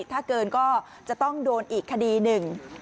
ถ้าเกินก็จะต้องโดนอีกคดีหนึ่ง